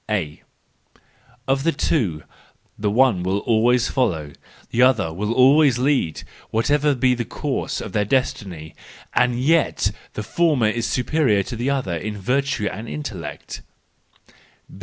—A :" Of the two, the one will always follow, the other will always lead, whatever be the course of their destiny. And yet the former is superior to the other in virtue and intellect."